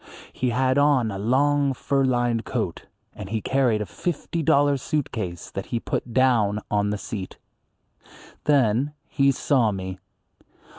He had on a long fur lined coat, and he carried a fifty dollar suit case that he put down on the seat. Then he saw me.